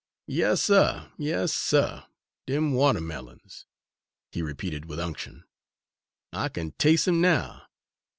"Yas, suh, yas, suh, dem watermillions," he repeated with unction, "I kin tas'e 'em now!